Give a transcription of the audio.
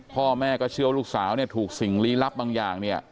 พ่อแม่ก็เชื่อว่าลูกสาวเนี่ยถูกสิ่งลี้ลับบางอย่างเนี่ย